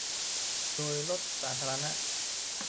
โดยรถสาธารณะ